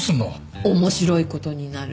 面白いことになる。